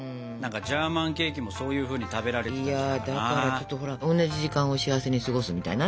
ちょっとほら同じ時間を幸せに過ごすみたいなね。